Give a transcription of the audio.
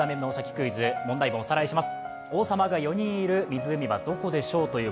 クイズ」問題をおさらいします。